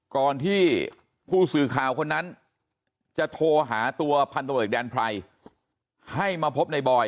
ก่อนที่ผู้สื่อข่าวคนนั้นจะโทรหาตัวพันธบริกแดนไพรให้มาพบในบอย